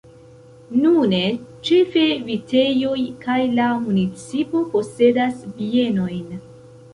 Nune ĉefe vitejoj kaj la municipo posedas bienojn.